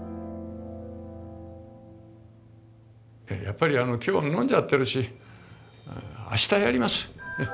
やっぱりあの今日飲んじゃってるしあしたやります。